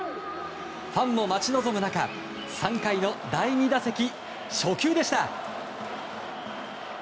ファンも待ち望む中３回の第２打席、初球でした。